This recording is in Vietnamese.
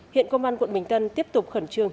hiện công an quận bình tân tiếp tục khẩn trương